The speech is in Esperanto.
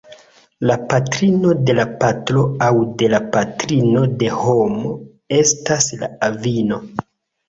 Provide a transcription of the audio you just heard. La patrino de la patro aŭ de la patrino de homo estas la avino.